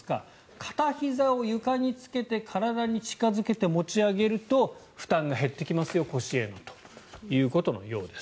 片ひざを床につけて体に近付けて持ち上げると腰への負担が減ってきますよということです。